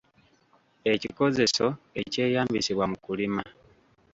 Ekikozeso ekyeyambisibwa mu kulima.